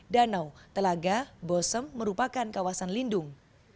danau telaga bosem merupakan kawasan lindung